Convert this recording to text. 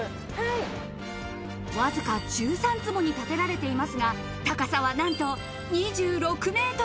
わずか１３坪に建てられていますが、高さはなんと２６ｍ。